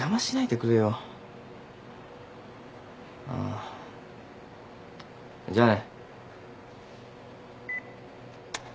あっじゃあね。